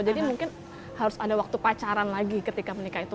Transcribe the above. mungkin harus ada waktu pacaran lagi ketika menikah itu